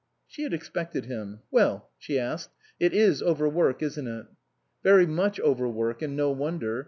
She had expected him. "Well," she asked, "it is overwork, isn't it?" " Very much overwork ; and no wonder.